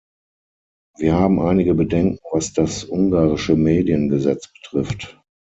Wir haben einige Bedenken, was das ungarische Mediengesetz betrifft.